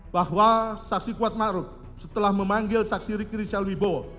bahwa saksi kuat makrub setelah memanggil saksi riki rizal wibowo